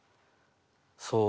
そう。